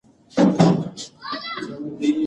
کتاب د پوهې رڼا ده.